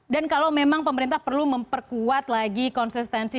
dan kalau memang pemerintah perlu memperkuat lagi konsistensi